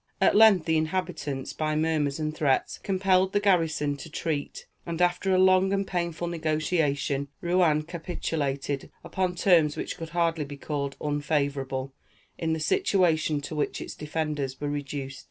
At length the inhabitants, by murmurs and threats, compelled the garrison to treat; and, after a long and painful negotiation, Rouen capitulated, upon terms which could hardly be called unfavorable, in the situation to which its defenders were reduced.